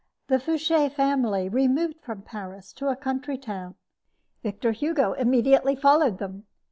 The Foucher family removed from Paris to a country town. Victor Hugo immediately followed them.